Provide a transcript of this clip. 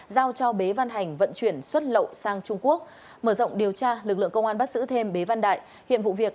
giao cho bế văn hành vận chuyển xuất lậu sang trung quốc